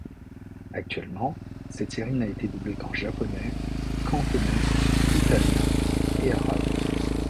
Actuellement, cette série n'a été doublée qu'en japonais, cantonais, italien et arabe.